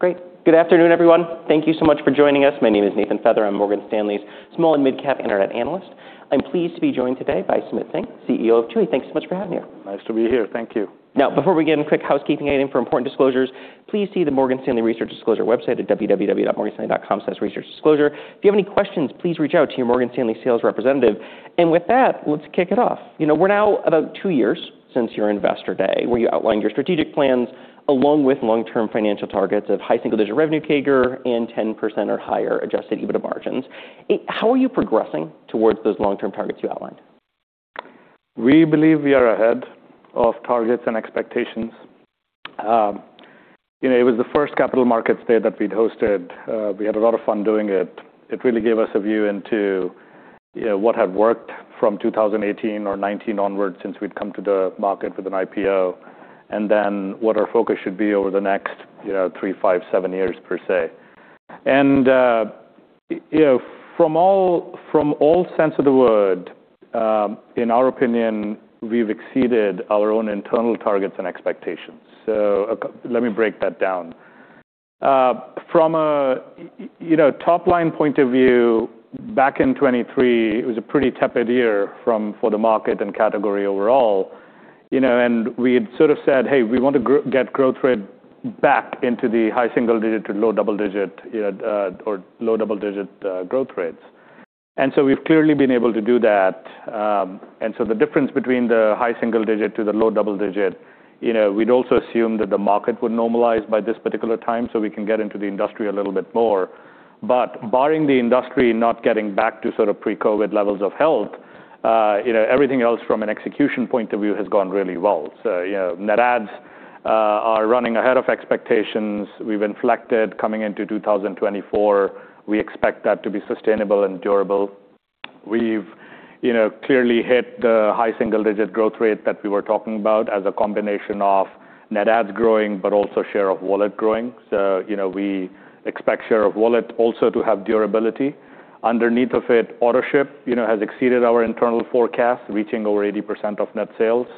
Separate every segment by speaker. Speaker 1: Okay, great. Good afternoon, everyone. Thank you so much for joining us. My name is Nathan Feather. I'm Morgan Stanley's small and midcap internet analyst. I'm pleased to be joined today by Sumit Singh, CEO of Chewy. Thanks so much for having you.
Speaker 2: Nice to be here. Thank you.
Speaker 1: Now, before we get in, quick housekeeping item for important disclosures, please see the Morgan Stanley research disclosure website at www.morganstanley.com/researchdisclosure. If you have any questions, please reach out to your Morgan Stanley sales representative. With that, let's kick it off. You know, we're now about two years since your investor day, where you outlined your strategic plans along with long-term financial targets of high single-digit revenue CAGR and 10% or higher adjusted EBITDA margins. How are you progressing towards those long-term targets you outlined?
Speaker 2: We believe we are ahead of targets and expectations. you know, it was the first Capital Markets Day that we'd hosted. We had a lot of fun doing it. It really gave us a view into, you know, what had worked from 2018 or 2019 onwards since we'd come to the market with an IPO, and then what our focus should be over the next, you know, 3, 5, 7 years per se. You know, from all, from all sense of the word, in our opinion, we've exceeded our own internal targets and expectations. Let me break that down. from a, you know, top-line point of view, back in 2023, it was a pretty tepid year for the market and category overall. You know, we had sort of said, "Hey, we want to get growth rate back into the high single-digit to low double-digit, or low double-digit growth rates." So we've clearly been able to do that. So the difference between the high single-digit to the low double-digit, you know, we'd also assumed that the market would normalize by this particular time, so we can get into the industry a little bit more. Barring the industry not getting back to sort of pre-COVID levels of health, you know, everything else from an execution point of view has gone really well. You know, net adds are running ahead of expectations. We've inflected coming into 2024. We expect that to be sustainable and durable. We've, you know, clearly hit the high single digit growth rate that we were talking about as a combination of net adds growing, but also share of wallet growing. You know, we expect share of wallet also to have durability. Underneath of it, Autoship, you know, has exceeded our internal forecast, reaching over 80% of net sales.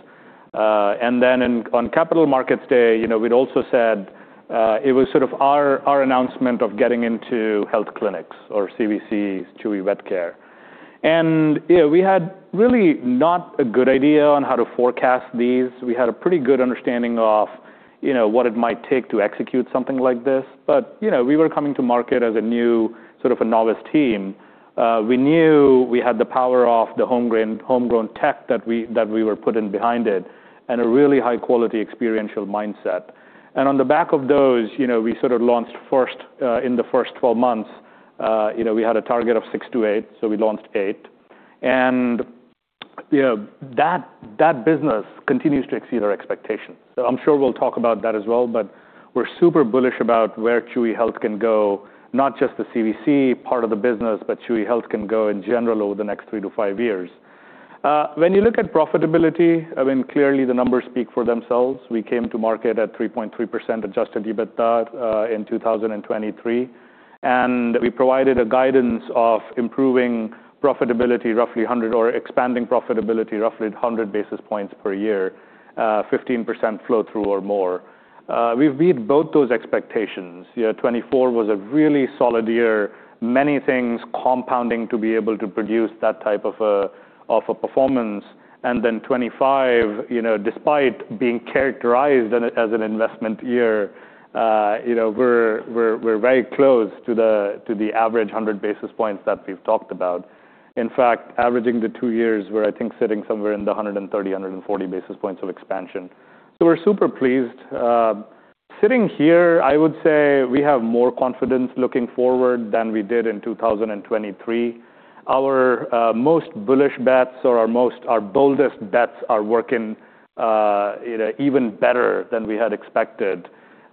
Speaker 2: Then on Capital Markets Day, you know, we'd also said, it was sort of our announcement of getting into health clinics or CVC's Chewy Vet Care. You know, we had really not a good idea on how to forecast these. You know, we were coming to market as a new, sort of a novice team. We knew we had the power of the homegrown tech that we were putting behind it and a really high quality experiential mindset. On the back of those, you know, we sort of launched first, in the first 12 months, you know, we had a target of 6 to 8, so we launched 8. You know, that business continues to exceed our expectations. I'm sure we'll talk about that as well, but we're super bullish about where Chewy Health can go, not just the CVC part of the business, but Chewy Health can go in general over the next 3 to 5 years. When you look at profitability, I mean, clearly the numbers speak for themselves. We came to market at 3.3% adjusted EBITDA in 2023. We provided a guidance of expanding profitability roughly 100 basis points per year, 15% flow through or more. We've beat both those expectations. You know, 2024 was a really solid year. Many things compounding to be able to produce that type of a performance. 2025, you know, despite being characterized as an investment year, you know, we're very close to the average 100 basis points that we've talked about. In fact, averaging the two years, we're, I think, sitting somewhere in the 130, 140 basis points of expansion. We're super pleased. Sitting here, I would say we have more confidence looking forward than we did in 2023. Our most bullish bets or our boldest bets are working, you know, even better than we had expected.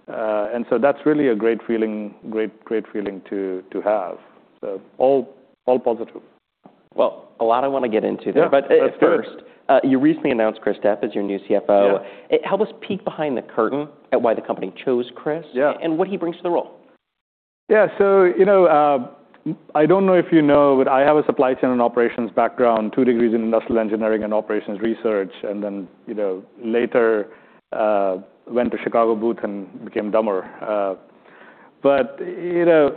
Speaker 2: That's really a great feeling, great feeling to have. All positive.
Speaker 1: Well, a lot I wanna get into there.
Speaker 2: Yeah. Of course.
Speaker 1: First, you recently announced Chris Deppe as your new CFO.
Speaker 2: Yeah.
Speaker 1: Help us peek behind the curtain at why the company chose Chris Deppe-
Speaker 2: Yeah
Speaker 1: -and what he brings to the role.
Speaker 2: Yeah. you know, I don't know if you know, but I have a supply chain and operations background, 2 degrees in industrial engineering and operations research, and then, you know, later, went to Chicago Booth and became dumber. you know,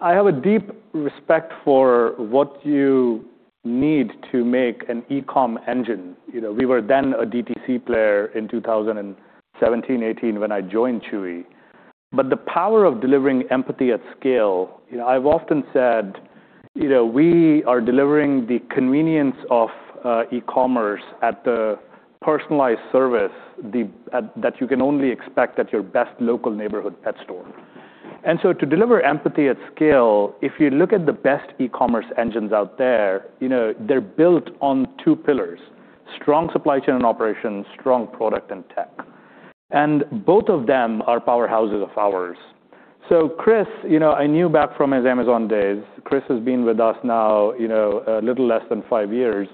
Speaker 2: I have a deep respect for what you need to make an e-com engine. You know, we were then a DTC player in 2017, 2018 when I joined Chewy. The power of delivering empathy at scale, you know, I've often said, you know, we are delivering the convenience of e-commerce at the personalized service that you can only expect at your best local neighborhood pet store. To deliver empathy at scale, if you look at the best e-commerce engines out there, you know, they're built on 2 pillars: strong supply chain and operations, strong product and tech. Both of them are powerhouses of ours. Chris, you know, I knew back from his Amazon days. Chris has been with us now, you know, a little less than 5 years.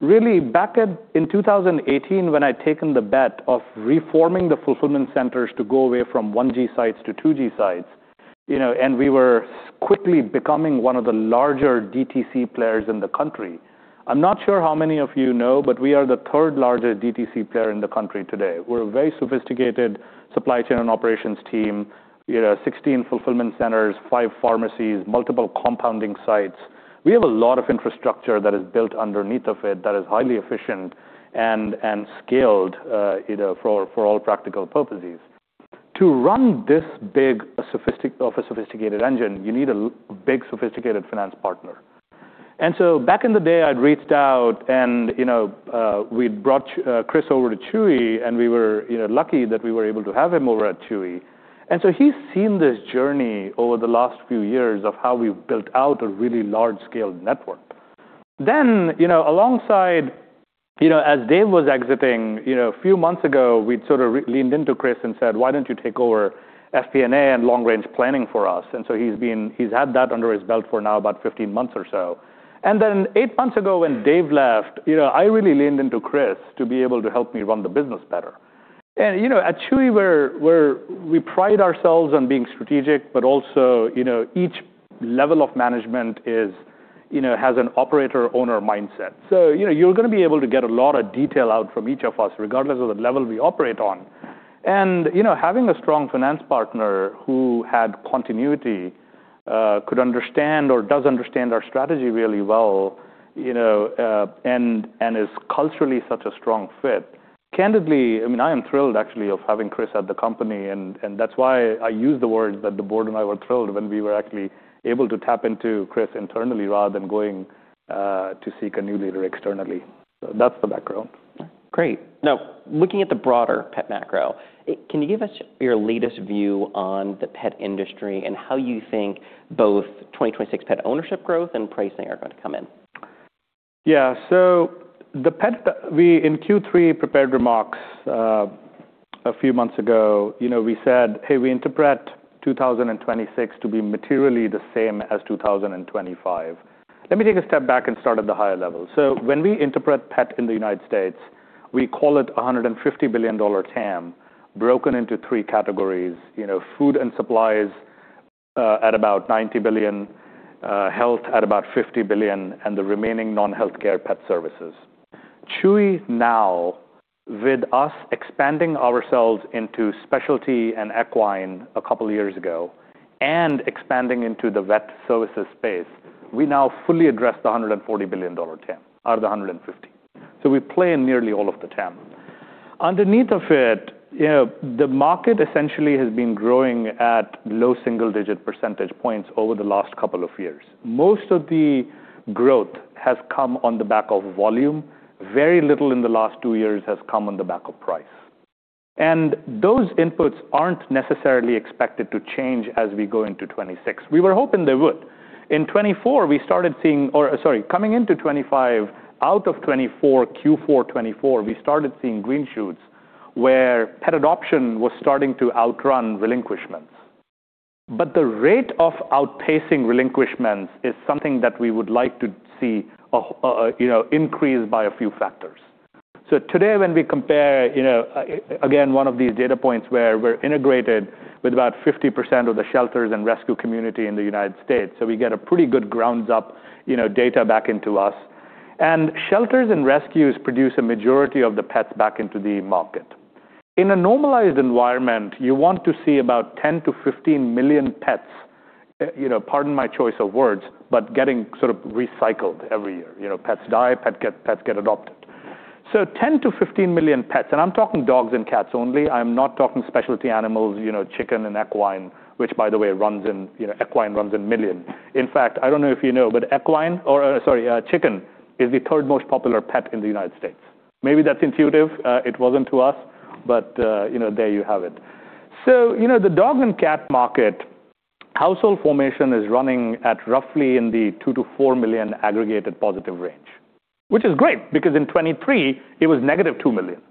Speaker 2: Really back in 2018, when I'd taken the bet of reforming the fulfillment centers to go away from 1G sites to 2G sites. We were quickly becoming 1 of the larger DTC players in the country. I'm not sure how many of you know, but we are the third-largest DTC player in the country today. We're a very sophisticated supply chain and operations team. We have 16 fulfillment centers, 5 pharmacies, multiple compounding sites. We have a lot of infrastructure that is built underneath of it that is highly efficient and scaled, you know, for all practical purposes. To run this big a sophisticated engine, you need a big, sophisticated finance partner. Back in the day, I'd reached out, you know, we'd brought Chris over to Chewy, we were, you know, lucky that we were able to have him over at Chewy. He's seen this journey over the last few years of how we've built out a really large-scale network. You know, alongside, you know, as Dave was exiting, you know, a few months ago, we'd sort of leaned into Chris and said, "Why don't you take over FP&A and long-range planning for us?" He's had that under his belt for now about 15 months or so. Eight months ago, when Dave left, you know, I really leaned into Chris to be able to help me run the business better. You know, at Chewy, we're we pride ourselves on being strategic, but also, you know, each level of management is, you know, has an operator-owner mindset. You know, you're gonna be able to get a lot of detail out from each of us, regardless of the level we operate on. You know, having a strong finance partner who had continuity, could understand or does understand our strategy really well, you know, and is culturally such a strong fit, candidly, I mean, I am thrilled actually of having Chris at the company, and that's why I use the words that the board and I were thrilled when we were actually able to tap into Chris internally rather than going to seek a new leader externally. That's the background.
Speaker 1: Great. Now, looking at the broader pet macro, can you give us your latest view on the pet industry and how you think both 2026 pet ownership growth and pricing are going to come in?
Speaker 2: Yeah. We in Q3 prepared remarks a few months ago. You know, we said, "Hey, we interpret 2026 to be materially the same as 2025." Let me take a step back and start at the higher level. When we interpret pet in the United States, we call it a $150 billion TAM, broken into three categories: you know, food and supplies at about $90 billion, health at about $50 billion, and the remaining non-healthcare pet services. Chewy now, with us expanding ourselves into specialty and equine a couple years ago and expanding into the vet services space, we now fully address the $140 billion TAM out of the $150. We play in nearly all of the TAM. Underneath of it, you know, the market essentially has been growing at low single-digit percentage points over the last two years. Most of the growth has come on the back of volume. Very little in the last two years has come on the back of price. Those inputs aren't necessarily expected to change as we go into 2026. We were hoping they would. Coming into 2025, out of 2024, Q4 2024, we started seeing green shoots where pet adoption was starting to outrun relinquishments. The rate of outpacing relinquishments is something that we would like to see a, you know, increase by a few factors. Today when we compare, you know, again, one of these data points where we're integrated with about 50% of the shelters and rescue community in the United States, so we get a pretty good grounds-up, you know, data back into us. Shelters and rescues produce a majority of the pets back into the market. In a normalized environment, you want to see about 10-15 million pets, you know, pardon my choice of words, but getting sort of recycled every year. You know, pets die, pets get adopted. 10-15 million pets, and I'm talking dogs and cats only. I'm not talking specialty animals, you know, chicken and equine, which by the way runs in, you know, equine runs in millions. In fact, I don't know if you know, but equine or, sorry, chicken is the third most popular pet in the United States. Maybe that's intuitive. It wasn't to us, but, you know, there you have it. You know, the dog and cat market household formation is running at roughly in the $2 million-$4 million aggregated positive range, which is great because in 2023 it was -$2 million.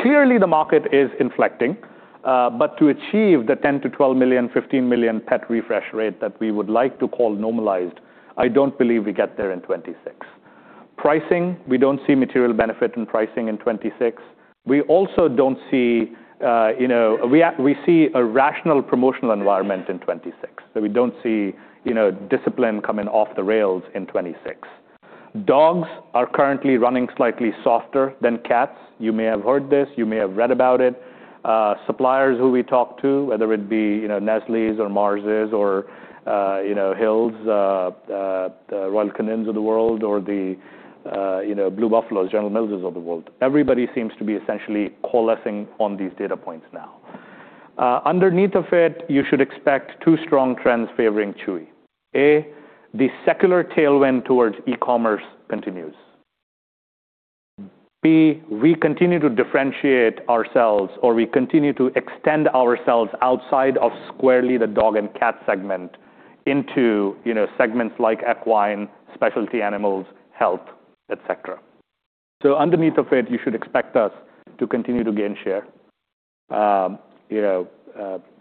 Speaker 2: Clearly the market is inflecting, but to achieve the $10 million-$12 million, $15 million pet refresh rate that we would like to call normalized, I don't believe we get there in 2026. Pricing, we don't see material benefit in pricing in 2026. We also don't see, you know, we see a rational promotional environment in 2026. We don't see, you know, discipline coming off the rails in 2026. Dogs are currently running slightly softer than cats. You may have heard this. You may have read about it. Suppliers who we talk to, whether it be, you know, Nestlé's or Mars' or, you know, Hill's, the Royal Canin's of the world or the, you know, Blue Buffalo's, General Mills' of the world, everybody seems to be essentially coalescing on these data points now. Underneath of it, you should expect two strong trends favoring Chewy. A, the secular tailwind towards e-commerce continues. B, we continue to differentiate ourselves, or we continue to extend ourselves outside of squarely the dog and cat segment into, you know, segments like equine, specialty animals, health, et cetera. Underneath of it, you should expect us to continue to gain share, you know,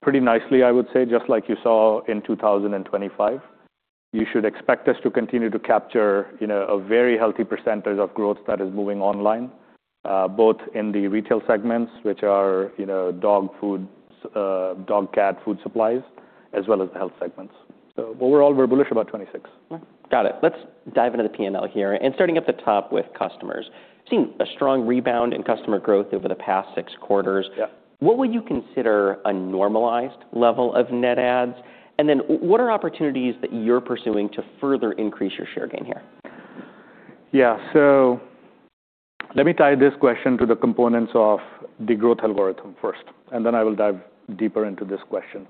Speaker 2: pretty nicely, I would say, just like you saw in 2025. You should expect us to continue to capture, you know, a very healthy percentage of growth that is moving online, both in the retail segments, which are, you know, dog food, dog, cat food supplies, as well as the health segments. Overall, we're bullish about 2026.
Speaker 1: Got it. Let's dive into the P&L here, starting at the top with customers. Seen a strong rebound in customer growth over the past 6 quarters.
Speaker 2: Yep.
Speaker 1: What would you consider a normalized level of net adds? What are opportunities that you're pursuing to further increase your share gain here?
Speaker 2: Yeah. Let me tie this question to the components of the growth algorithm first, and then I will dive deeper into this question.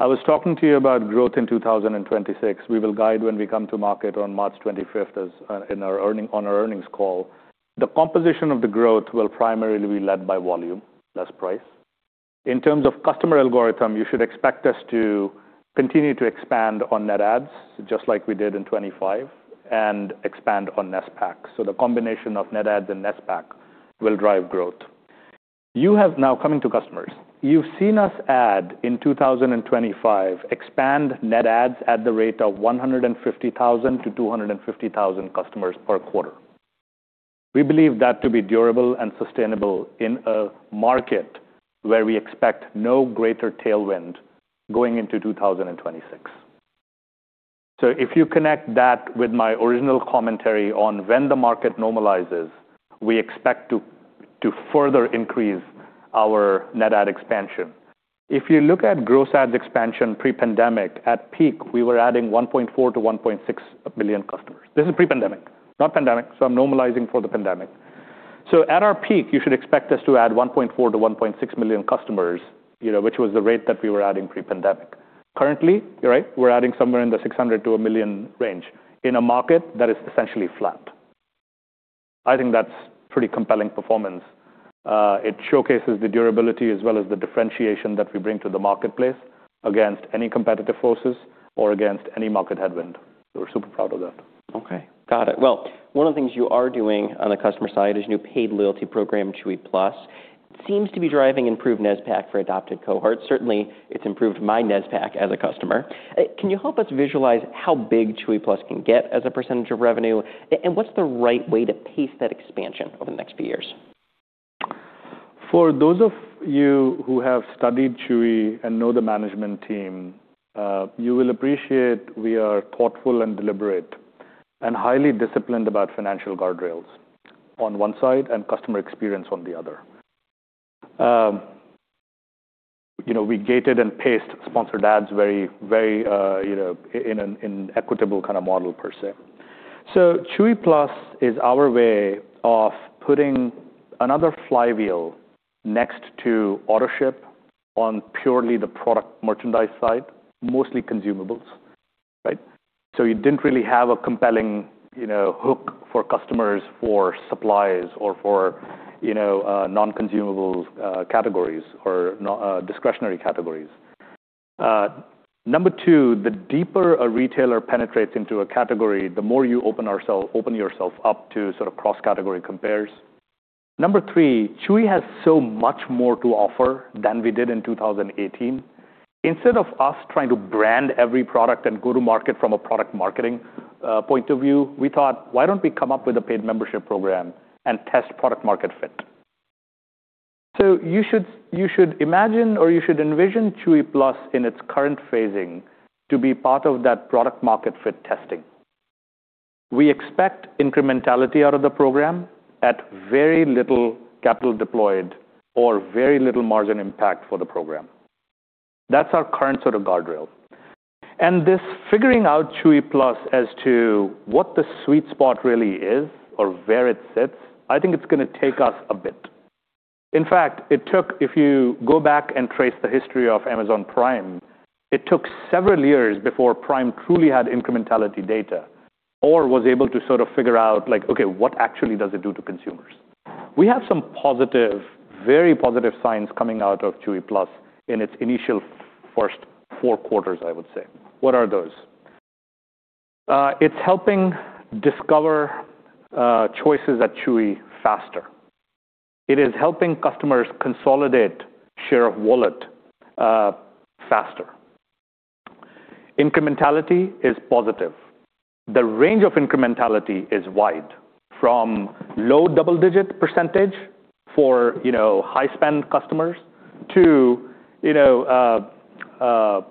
Speaker 2: I was talking to you about growth in 2026. We will guide when we come to market on March 25th, as in our earnings call. The composition of the growth will primarily be led by volume, less price. In terms of customer algorithm, you should expect us to continue to expand on net adds, just like we did in 2025, and expand on NSPAC. The combination of net adds and NSPAC will drive growth. You have now, coming to customers, you've seen us add in 2025, expand net adds at the rate of 150,000 to 250,000 customers per quarter. We believe that to be durable and sustainable in a market where we expect no greater tailwind going into 2026. If you connect that with my original commentary on when the market normalizes, we expect to further increase our net add expansion. If you look at gross adds expansion pre-pandemic, at peak, we were adding 1.4 million-1.6 million customers. This is pre-pandemic, not pandemic, so I'm normalizing for the pandemic. At our peak, you should expect us to add 1.4 million-1.6 million customers, you know, which was the rate that we were adding pre-pandemic. Currently, you're right, we're adding somewhere in the 600,000-1 million range in a market that is essentially flat. I think that's pretty compelling performance. It showcases the durability as well as the differentiation that we bring to the marketplace against any competitive forces or against any market headwind. We're super proud of that.
Speaker 1: Okay. Got it. Well, one of the things you are doing on the customer side is new paid loyalty program, Chewy+. Seems to be driving improved NSPAC for adopted cohorts. Certainly, it's improved my NSPAC as a customer. Can you help us visualize how big Chewy+ can get as a percent of revenue, and what's the right way to pace that expansion over the next few years?
Speaker 2: For those of you who have studied Chewy and know the management team, you will appreciate we are thoughtful and deliberate and highly disciplined about financial guardrails on one side and customer experience on the other. You know, we gated and paced sponsored ads very, very, you know, in an equitable kinda model per se. Chewy+ is our way of putting another flywheel next to Autoship on purely the product merchandise side, mostly consumables, right? You didn't really have a compelling, you know, hook for customers for supplies or for, you know, non-consumables categories or discretionary categories. Number two, the deeper a retailer penetrates into a category, the more you open yourself up to sort of cross-category compares. Number three, Chewy has so much more to offer than we did in 2018. Instead of us trying to brand every product and go to market from a product marketing point of view, we thought, "Why don't we come up with a paid membership program and test product market fit?" You should imagine or you should envision Chewy+ in its current phasing to be part of that product market fit testing. We expect incrementality out of the program at very little capital deployed or very little margin impact for the program. That's our current sort of guardrail. This figuring out Chewy+ as to what the sweet spot really is or where it sits, I think it's gonna take us a bit. In fact, it took... If you go back and trace the history of Amazon Prime, it took several years before Prime truly had incrementality data or was able to sort of figure out, like, okay, what actually does it do to consumers? We have some positive, very positive signs coming out of Chewy+ in its initial first 4 quarters, I would say. What are those? It's helping discover choices at Chewy faster. It is helping customers consolidate share of wallet faster. Incrementality is positive. The range of incrementality is wide, from low double-digit percentage for, you know, high-spend customers to, you know,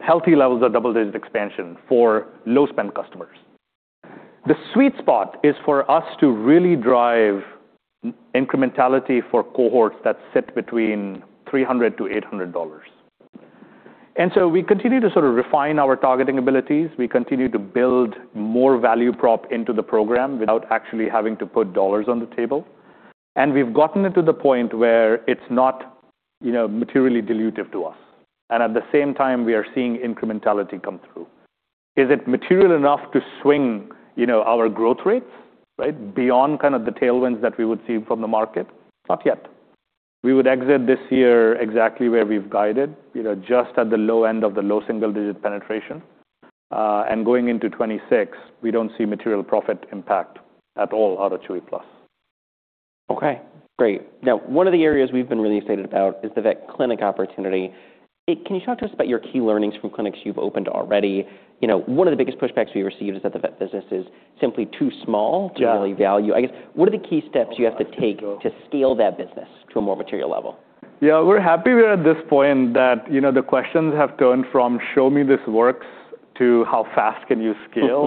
Speaker 2: healthy levels of double-digit expansion for low-spend customers. The sweet spot is for us to really drive incrementality for cohorts that sit between $300-$800. We continue to sort of refine our targeting abilities. We continue to build more value prop into the program without actually having to put dollars on the table. We've gotten it to the point where it's not, you know, materially dilutive to us, and at the same time, we are seeing incrementality come through. Is it material enough to swing, you know, our growth rates, right? Beyond kind of the tailwinds that we would see from the market? Not yet. We would exit this year exactly where we've guided, you know, just at the low end of the low single-digit penetration. Going into 2026, we don't see material profit impact at all out of Chewy+.
Speaker 1: Okay, great. One of the areas we've been really excited about is the vet clinic opportunity. Can you talk to us about your key learnings from clinics you've opened already? You know, one of the biggest pushbacks we received is that the vet business is simply too small-
Speaker 2: Yeah
Speaker 1: -to really value. I guess, what are the key steps you have to take to scale that business to a more material level?
Speaker 2: We're happy we're at this point that, you know, the questions have turned from show me this works to how fast can you scale?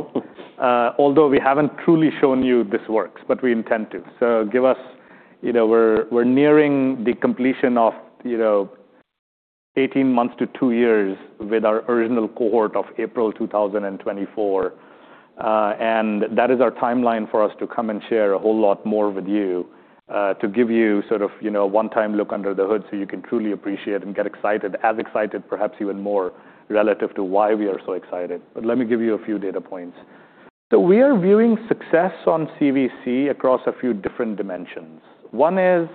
Speaker 2: Although we haven't truly shown you this works, we intend to. You know, we're nearing the completion of, you know, 18 months to 2 years with our original cohort of April 2024. That is our timeline for us to come and share a whole lot more with you, to give you sort of, you know, a one-time look under the hood so you can truly appreciate and get excited, as excited, perhaps even more relative to why we are so excited. Let me give you a few data points. We are viewing success on CVC across a few different dimensions. One is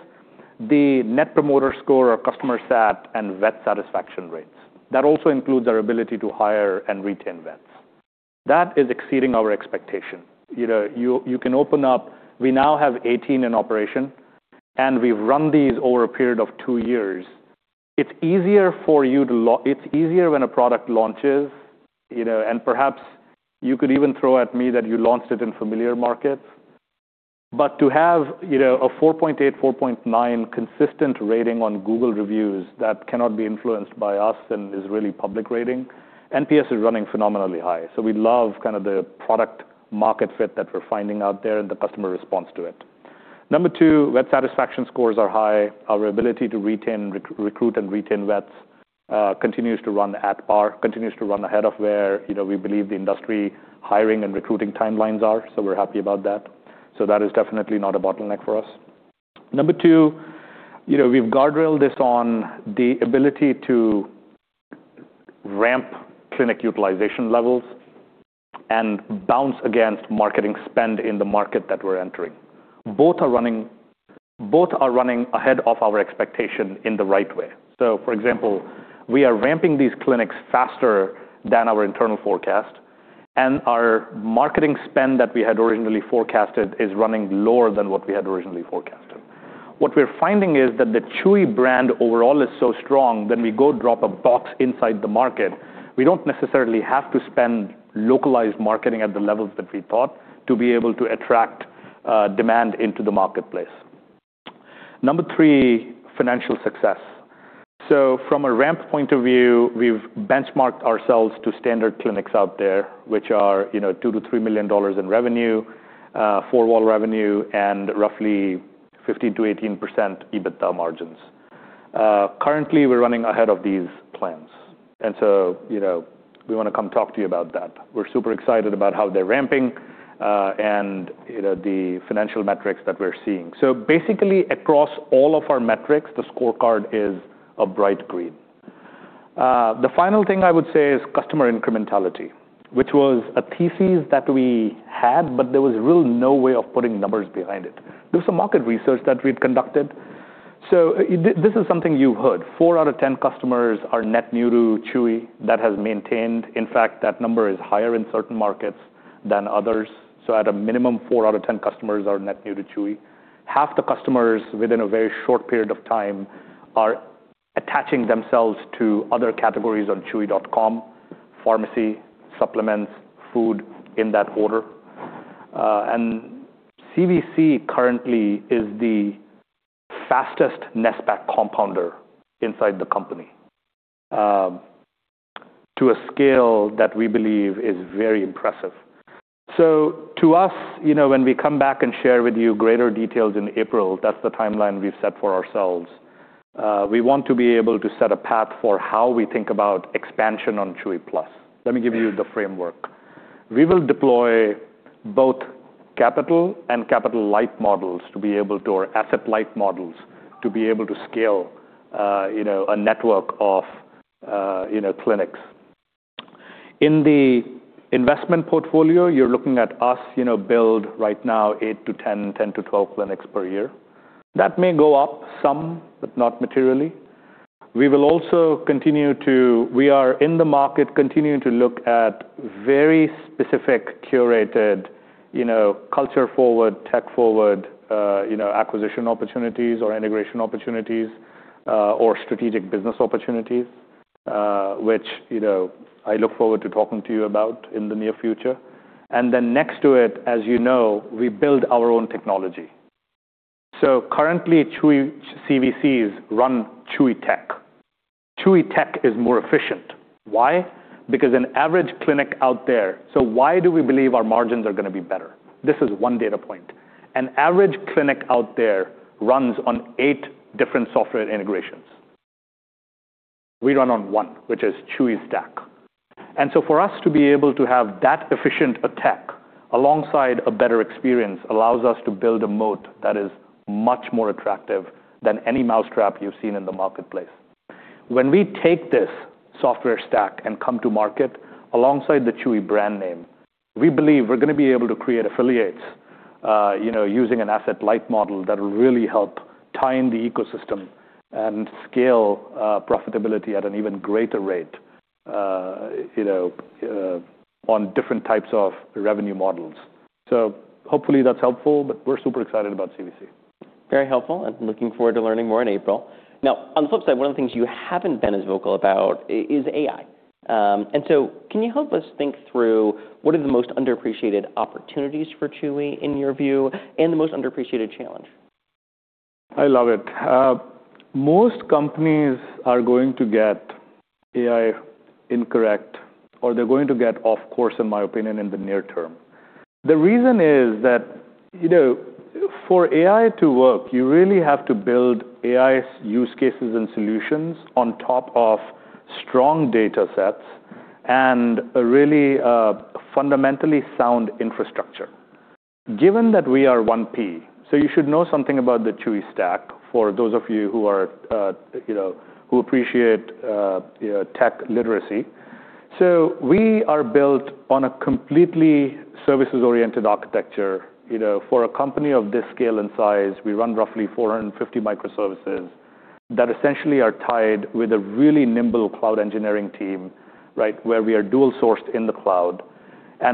Speaker 2: the Net Promoter Score or customer sat and vet satisfaction rates. That also includes our ability to hire and retain vets. That is exceeding our expectation. We now have 18 in operation, we've run these over a period of 2 years. It's easier when a product launches, you know, perhaps you could even throw at me that you launched it in familiar markets. To have, you know, a 4.8, 4.9 consistent rating on Google reviews that cannot be influenced by us and is really public rating, NPS is running phenomenally high. We love kind of the product market fit that we're finding out there and the customer response to it. Number 2, vet satisfaction scores are high. Our ability to retain, recruit and retain vets, continues to run at par, continues to run ahead of where, you know, we believe the industry hiring and recruiting timelines are. We're happy about that. That is definitely not a bottleneck for us. Number two, you know, we've guardrailed this on the ability to ramp clinic utilization levels and bounce against marketing spend in the market that we're entering. Both are running ahead of our expectation in the right way. For example, we are ramping these clinics faster than our internal forecast, and our marketing spend that we had originally forecasted is running lower than what we had originally forecasted. What we're finding is that the Chewy brand overall is so strong when we go drop a box inside the market, we don't necessarily have to spend localized marketing at the levels that we thought to be able to attract demand into the marketplace. Number three, financial success. From a ramp point of view, we've benchmarked ourselves to standard clinics out there, which are, you know, $2 million-$3 million in revenue, four-wall revenue, and roughly 15%-18% EBITDA margins. Currently, we're running ahead of these plans. You know, we wanna come talk to you about that. We're super excited about how they're ramping, and, you know, the financial metrics that we're seeing. Basically across all of our metrics, the scorecard is a bright green. The final thing I would say is customer incrementality, which was a thesis that we had, there was really no way of putting numbers behind it. There was some market research that we'd conducted. This is something you heard. Four out of 10 customers are net new to Chewy. That has maintained. In fact, that number is higher in certain markets than others. At a minimum, Four out of 10 customers are net new to Chewy. Half the customers within a very short period of time are attaching themselves to other categories on chewy.com, pharmacy, supplements, food in that order. CVC currently is the fastest net back compounder inside the company to a scale that we believe is very impressive. To us, you know, when we come back and share with you greater details in April, that's the timeline we've set for ourselves, we want to be able to set a path for how we think about expansion on Chewy+. Let me give you the framework. We will deploy both capital and capital light models or asset light models to be able to scale, you know, a network of, you know, clinics. In the investment portfolio, you're looking at us, you know, build right now 8-10, 10-12 clinics per year. That may go up some, but not materially. We will also continue to... We are in the market continuing to look at very specific curated, you know, culture-forward, tech-forward, you know, acquisition opportunities or integration opportunities, or strategic business opportunities, which, you know, I look forward to talking to you about in the near future. Next to it, as you know, we build our own technology. Currently, Chewy CVCs run Chewy Tech. Chewy Tech is more efficient. Why? Because an average clinic out there... Why do we believe our margins are gonna be better? This is one data point. An average clinic out there runs on eight different software integrations. We run on one, which is Chewy Stack. So for us to be able to have that efficient a tech alongside a better experience allows us to build a moat that is much more attractive than any mousetrap you've seen in the marketplace. When we take this software stack and come to market alongside the Chewy brand name, we believe we're gonna be able to create affiliates, you know, using an asset-light model that will really help tie in the ecosystem and scale profitability at an even greater rate. You know, on different types of revenue models. Hopefully that's helpful, but we're super excited about CVC.
Speaker 1: Very helpful, and looking forward to learning more in April. Now, on the flip side, one of the things you haven't been as vocal about is AI. Can you help us think through what are the most underappreciated opportunities for Chewy in your view and the most underappreciated challenge?
Speaker 2: I love it. Most companies are going to get AI incorrect, or they're going to get off course, in my opinion, in the near term. The reason is that, you know, for AI to work, you really have to build AI use cases and solutions on top of strong data sets and a really fundamentally sound infrastructure. Given that we are one P, so you should know something about the Chewy Stack for those of you who are, you know, who appreciate tech literacy. We are built on a completely service-oriented architecture. You know, for a company of this scale and size, we run roughly 450 microservices that essentially are tied with a really nimble cloud engineering team, right, where we are dual-sourced in the cloud.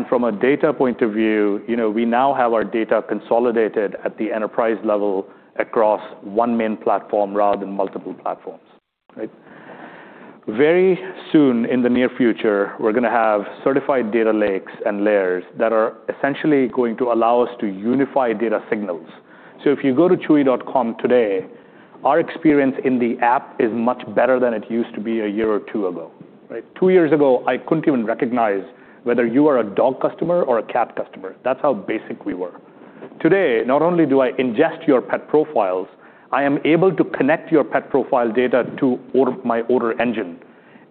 Speaker 2: From a data point of view, you know, we now have our data consolidated at the enterprise level across one main platform rather than multiple platforms. Right? Very soon in the near future, we're gonna have certified data lakes and layers that are essentially going to allow us to unify data signals. If you go to chewy.com today, our experience in the app is much better than it used to be a year or two ago, right? Two years ago, I couldn't even recognize whether you are a dog customer or a cat customer. That's how basic we were. Today, not only do I ingest your pet profiles, I am able to connect your pet profile data to my order engine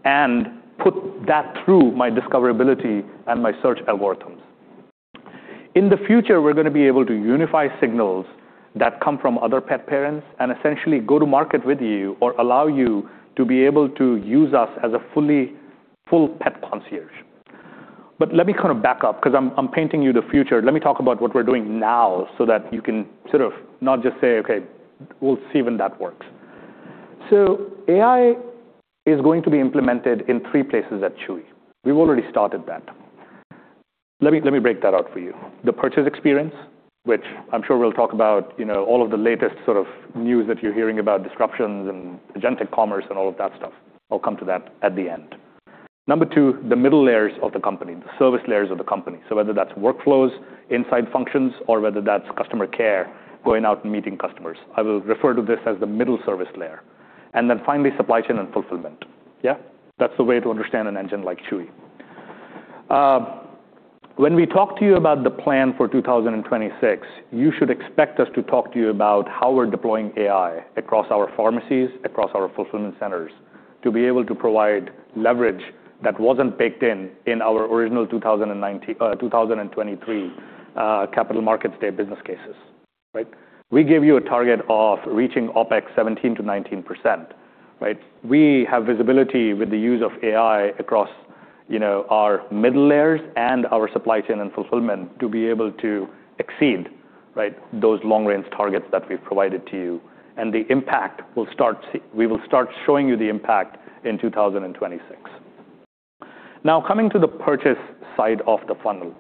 Speaker 2: and put that through my discoverability and my search algorithms. In the future, we're gonna be able to unify signals that come from other pet parents and essentially go to market with you or allow you to be able to use us as a fully full pet concierge. Let me kind of back up 'cause I'm painting you the future. Let me talk about what we're doing now so that you can sort of not just say, "Okay, we'll see when that works." AI is going to be implemented in three places at Chewy. We've already started that. Let me break that out for you. The purchase experience, which I'm sure we'll talk about, you know, all of the latest sort of news that you're hearing about disruptions and agentic commerce and all of that stuff. I'll come to that at the end. Number two, the middle layers of the company, the service layers of the company. Whether that's workflows, inside functions, or whether that's customer care, going out and meeting customers. I will refer to this as the middle service layer. Finally, supply chain and fulfillment. Yeah. That's the way to understand an engine like Chewy. When we talk to you about the plan for 2026, you should expect us to talk to you about how we're deploying AI across our pharmacies, across our fulfillment centers, to be able to provide leverage that wasn't baked in in our original 2023 Capital Markets Day business cases. Right? We give you a target of reaching OPEX 17%-19%, right? We have visibility with the use of AI across, you know, our middle layers and our supply chain and fulfillment to be able to exceed, right, those long-range targets that we've provided to you. We will start showing you the impact in 2026. Now, coming to the purchase side of the funnel.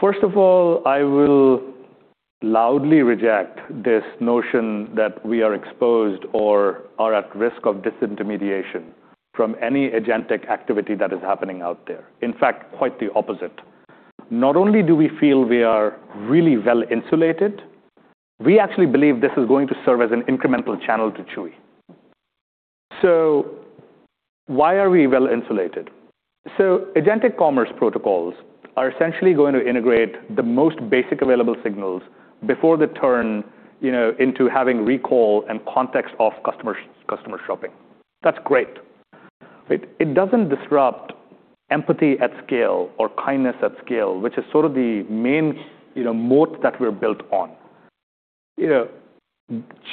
Speaker 2: First of all, I will loudly reject this notion that we are exposed or are at risk of disintermediation from any agentic activity that is happening out there. In fact, quite the opposite. Not only do we feel we are really well insulated, we actually believe this is going to serve as an incremental channel to Chewy. Why are we well insulated? Agentic commerce protocols are essentially going to integrate the most basic available signals before they turn, you know, into having recall and context of customer shopping. That's great. It doesn't disrupt empathy at scale or kindness at scale, which is sort of the main, you know, moat that we're built on. You know,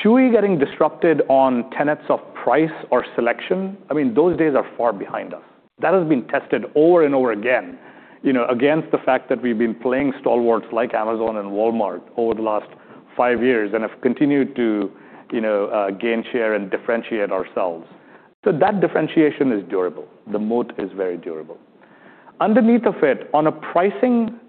Speaker 2: Chewy getting disrupted on tenets of price or selection, I mean, those days are far behind us. That has been tested over and over again, you know, against the fact that we've been playing stalwarts like Amazon and Walmart over the last five years and have continued to, you know, gain share and differentiate ourselves. That differentiation is durable. The moat is very durable. Underneath of it, on a pricing,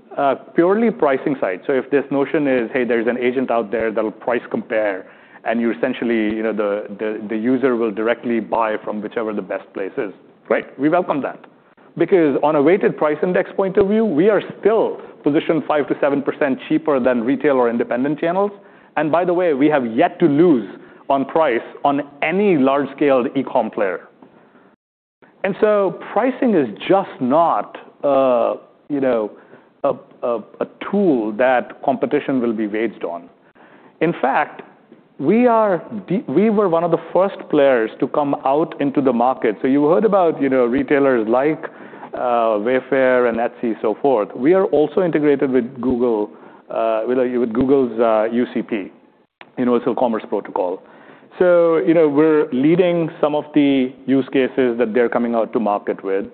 Speaker 2: purely pricing side, if this notion is, hey, there's an agent out there that'll price compare, and you essentially, you know, the user will directly buy from whichever the best place is, great, we welcome that. On a weighted price index point of view, we are still positioned 5%-7% cheaper than retail or independent channels. By the way, we have yet to lose on price on any large-scale e-com player. Pricing is just not, you know, a tool that competition will be waged on. In fact, we were one of the first players to come out into the market. You heard about, you know, retailers like Wayfair and Etsy, so forth. We are also integrated with Google, with Google's UCP, Universal Commerce Protocol. You know, we're leading some of the use cases that they're coming out to market with.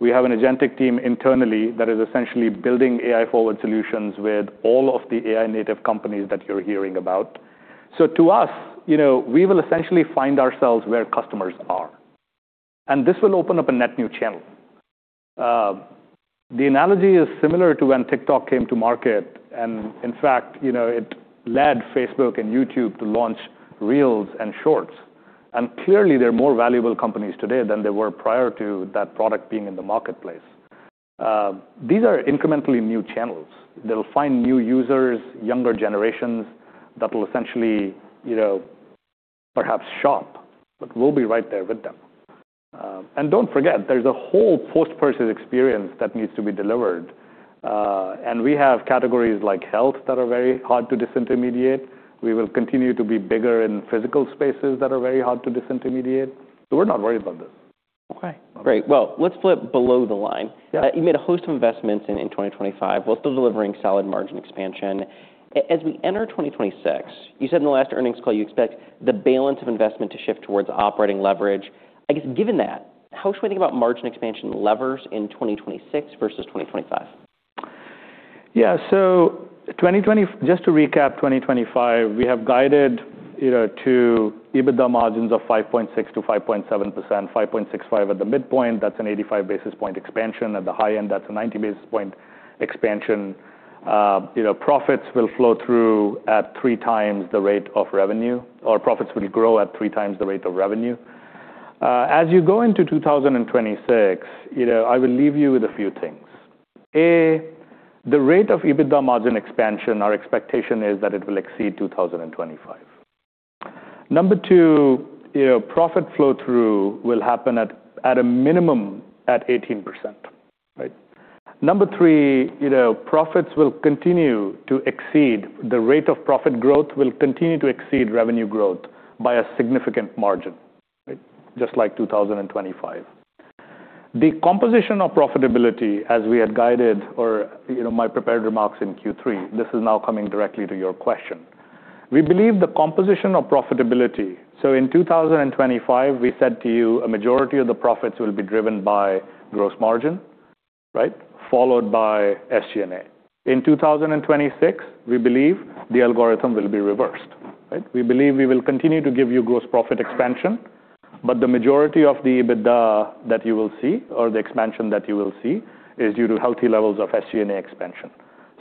Speaker 2: We have an agentic team internally that is essentially building AI-forward solutions with all of the AI native companies that you're hearing about. To us, you know, we will essentially find ourselves where customers are, and this will open up a net new channel. The analogy is similar to when TikTok came to market and in fact, you know, it led Facebook and YouTube to launch Reels and Shorts. Clearly, they're more valuable companies today than they were prior to that product being in the marketplace. These are incrementally new channels. They'll find new users, younger generations that will essentially, you know, perhaps shop, but we'll be right there with them. Don't forget, there's a whole post-purchase experience that needs to be delivered. We have categories like health that are very hard to disintermediate. We will continue to be bigger in physical spaces that are very hard to disintermediate, so we're not worried about this.
Speaker 1: Okay, great. Well, let's flip below the line.
Speaker 2: Yeah.
Speaker 1: You made a host of investments in 2025, both delivering solid margin expansion. As we enter 2026, you said in the last earnings call you expect the balance of investment to shift towards operating leverage. I guess given that, how should we think about margin expansion levers in 2026 versus 2025?
Speaker 2: Just to recap 2025, we have guided, you know, to EBITDA margins of 5.6%-5.7%, 5.65 at the midpoint, that's an 85 basis point expansion. At the high end, that's a 90 basis point expansion. you know, profits will flow through at 3 times the rate of revenue, or profits will grow at 3 times the rate of revenue. As you go into 2026, you know, I will leave you with a few things. A, the rate of EBITDA margin expansion, our expectation is that it will exceed 2025. Number two, you know, profit flow-through will happen at a minimum at 18%, right? Number three, you know, the rate of profit growth will continue to exceed revenue growth by a significant margin, right, just like 2025. The composition of profitability as we had guided or, you know, my prepared remarks in Q3, this is now coming directly to your question. We believe the composition of profitability, so in 2025, we said to you a majority of the profits will be driven by gross margin, right, followed by SG&A. In 2026, we believe the algorithm will be reversed, right? We believe we will continue to give you gross profit expansion, but the majority of the EBITDA that you will see or the expansion that you will see is due to healthy levels of SG&A expansion.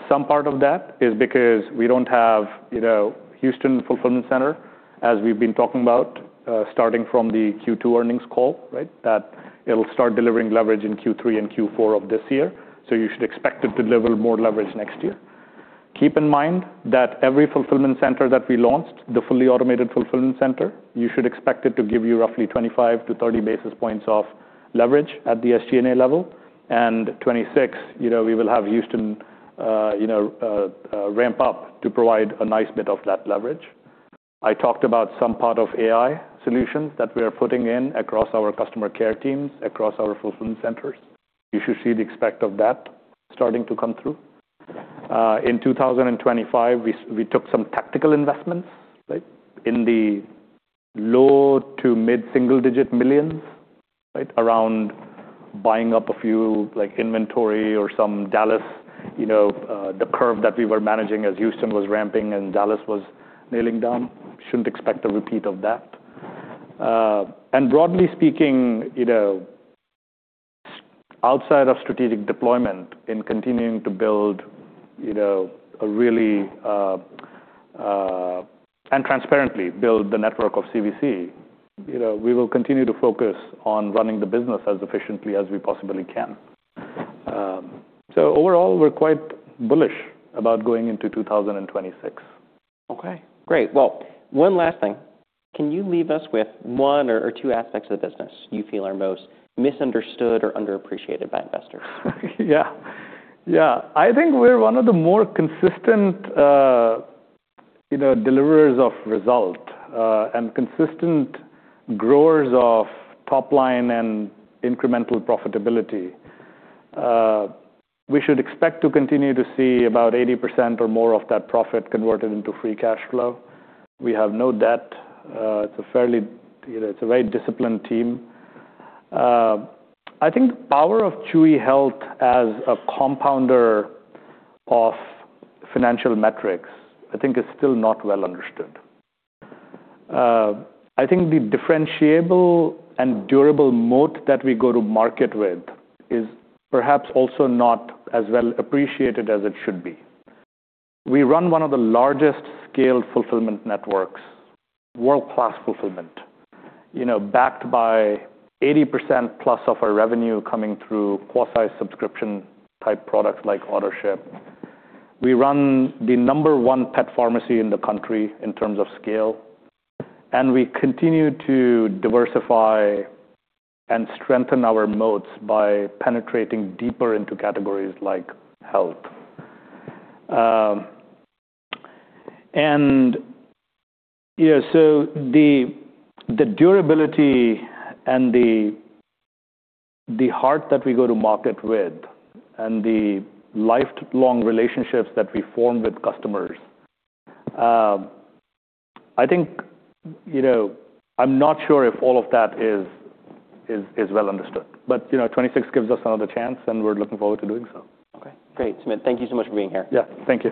Speaker 2: Some part of that is because we don't have, you know, Houston fulfillment center, as we've been talking about, starting from the Q2 earnings call, right? That it'll start delivering leverage in Q3 and Q4 of this year, so you should expect it to deliver more leverage next year. Keep in mind that every fulfillment center that we launched, the fully automated fulfillment center, you should expect it to give you roughly 25-30 basis points of leverage at the SG&A level. 2026, you know, we will have Houston ramp up to provide a nice bit of that leverage. I talked about some part of AI solutions that we are putting in across our customer care teams, across our fulfillment centers. You should see the effect of that starting to come through. In 2025, we took some tactical investments, right, in the low to mid-single digit millions, right? Around buying up a few, like, inventory or some Dallas, you know, the curve that we were managing as Houston was ramping and Dallas was nailing down. Shouldn't expect a repeat of that. Broadly speaking, you know, outside of strategic deployment in continuing to build, you know, and transparently build the network of CVC, you know, we will continue to focus on running the business as efficiently as we possibly can. Overall, we're quite bullish about going into 2026.
Speaker 1: Okay, great. Well, one last thing. Can you leave us with one or two aspects of the business you feel are most misunderstood or underappreciated by investors?
Speaker 2: Yeah. Yeah. I think we're one of the more consistent, you know, deliverers of result, and consistent growers of top line and incremental profitability. We should expect to continue to see about 80% or more of that profit converted into free cash flow. We have no debt. It's a fairly, you know, it's a very disciplined team. I think the power of Chewy Health as a compounder of financial metrics, I think is still not well understood. I think the differentiable and durable moat that we go to market with is perhaps also not as well appreciated as it should be. We run one of the largest scale fulfillment networks, world-class fulfillment, you know, backed by 80%+ of our revenue coming through quasi-subscription type products like Autoship. We run the number one pet pharmacy in the country in terms of scale, and we continue to diversify and strengthen our moats by penetrating deeper into categories like health. The durability and the heart that we go to market with and the lifelong relationships that we form with customers, I think, you know, I'm not sure if all of that is, is well understood. You know, 2026 gives us another chance, and we're looking forward to doing so.
Speaker 1: Okay, great. Sumit, thank you so much for being here.
Speaker 2: Yeah, thank you.